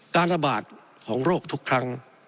การระบาดของโรคทุกครั้ง